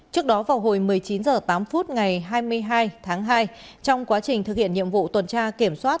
trước đó vào hồi một mươi chín h tám ngày hai mươi hai tháng hai trong quá trình thực hiện nhiệm vụ tuần tra kiểm soát